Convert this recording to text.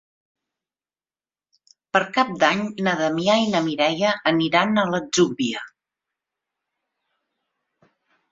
Per Cap d'Any na Damià i na Mireia aniran a l'Atzúbia.